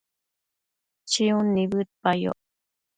chiun nibëdpayoc